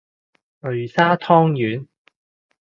擂沙湯圓